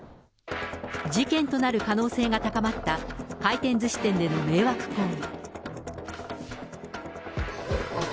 事件となる可能性が高まった、回転ずし店での迷惑行為。